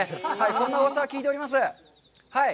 そんなうわさを聞いております。